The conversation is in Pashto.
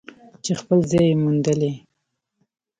چې خپل ځای یې موندلی.